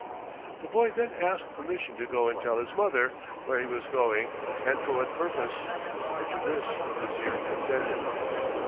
The boy then asked permission to go and tell his mother where he was going and for what purpose, and to this the Vizier consented.